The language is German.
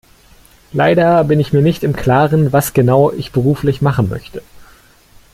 Leider bin ich mir nicht im Klaren, was genau ich beruflich machen möchte.